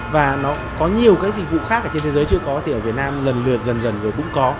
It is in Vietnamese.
và nó có nhiều cái dịch vụ khác ở trên thế giới chưa có thì ở việt nam lần lượt dần dần rồi cũng có